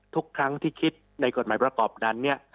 ทุกครั้งที่คิดในกฎหมายประกอบนั้นเนี่ย